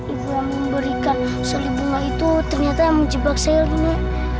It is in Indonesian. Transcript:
ibu yang memberikan sali bunga itu ternyata menjebak saya luna